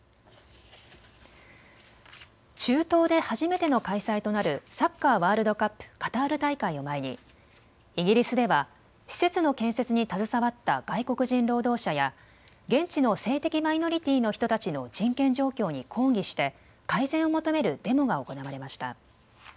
中東で初めての開催となるサッカーワールドカップカタール大会を前にイギリスでは施設の建設に携わった外国人労働者や現地の性的マイノリティーの人たちの人権状況に抗議して改善を求めるデモが行われました。